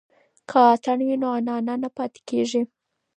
که اتڼ وي نو عنعنه نه پاتې کیږي.